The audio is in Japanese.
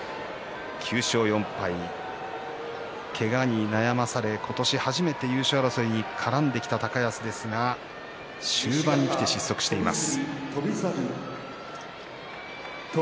９勝４敗、けがに悩まされことし初めて優勝争いに絡んできた高安ですが終盤にきて失速しています。